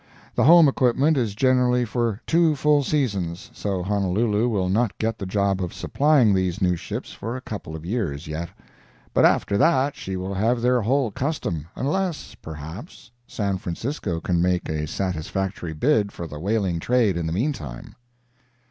The home equipment is generally for two full seasons—so Honolulu will not get the job of supplying these new ships for a couple of years yet; but after that she will have their whole custom, unless, perhaps, San Francisco can make a satisfactory bid for the whaling trade in the meantime.